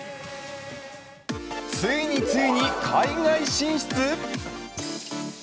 ついに、ついに海外進出？